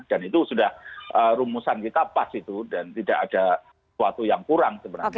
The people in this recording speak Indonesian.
dan itu sudah rumusan kita pas itu dan tidak ada suatu yang kurang sebenarnya